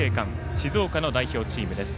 静岡の代表チームです。